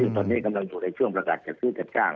ตอนนี้กำลังอยู่ในช่วงประกาศจัดซื้อจัดจ้าง